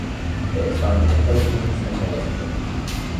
It is found in the Philippines and Malaysia.